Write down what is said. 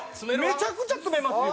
めちゃくちゃ詰めますよ。